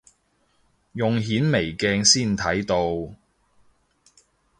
用顯微鏡先睇到